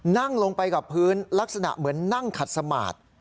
นั่งลงไปกับพื้นลักษณะเหมือนนั่งขัดสมาธิ